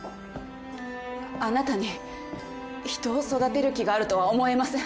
あなたに人を育てる気があるとは思えません。